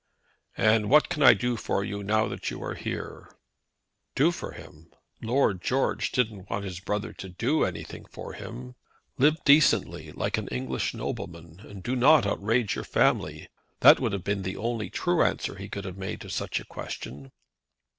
"And what can I do for you now you are here?" Do for him! Lord George didn't want his brother to do anything for him. "Live decently, like an English nobleman, and do not outrage your family." That would have been the only true answer he could have made to such a question.